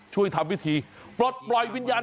ช่วยทำวิธีปลดปล่อยวิญญาณ